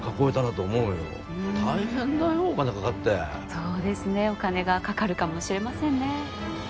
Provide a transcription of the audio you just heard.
そうですねお金がかかるかもしれませんね。